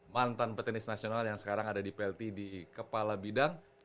mantan petenis nasional yang sekarang ada di plt di kepala bidang